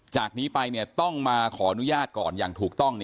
จากนี้ไปต้องมาขออนุญาตก่อนอย่างถูกต้อง